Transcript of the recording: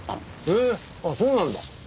へえそうなんだ。